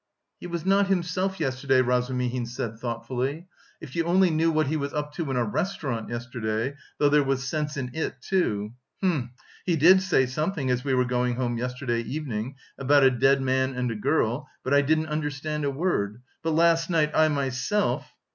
"He was not himself yesterday," Razumihin said thoughtfully, "if you only knew what he was up to in a restaurant yesterday, though there was sense in it too.... Hm! He did say something, as we were going home yesterday evening, about a dead man and a girl, but I didn't understand a word.... But last night, I myself..."